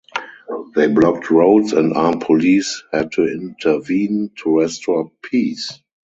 They blocked roads and armed police had to intervene to restore peace.